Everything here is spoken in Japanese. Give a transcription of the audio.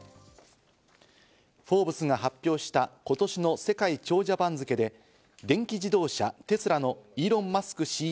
『フォーブス』が発表した今年の世界長者番付で電気自動車テスラのイーロン・マスク